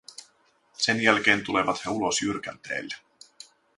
Sen jälkeen tulevat he ulos jyrkänteelle.